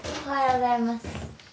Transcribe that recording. おはようございます。